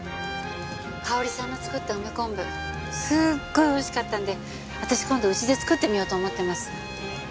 香織さんの作った梅昆布すごい美味しかったんで私今度うちで作ってみようと思ってます。